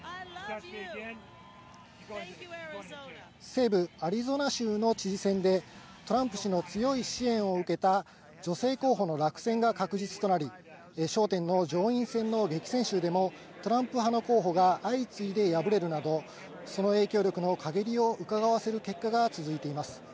西部アリゾナ州の知事選でトランンプ氏の強い支援を受けた女性候補の落選が確実となり、焦点の上院戦の激戦州でもトランプ派の候補が相次いで敗れるなど、その影響力の陰りをうかがわせる結果が続いています。